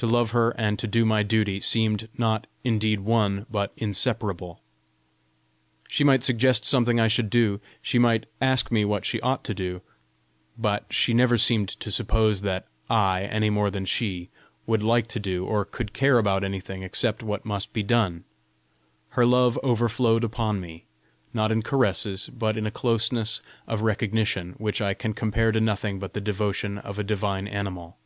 To love her and to do my duty, seemed, not indeed one, but inseparable. She might suggest something I should do; she might ask me what she ought to do; but she never seemed to suppose that I, any more than she, would like to do, or could care about anything except what must be done. Her love overflowed upon me not in caresses, but in a closeness of recognition which I can compare to nothing but the devotion of a divine animal.